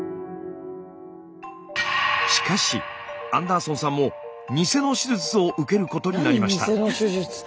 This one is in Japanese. しかしアンダーソンさんもニセの手術を受けることになりました。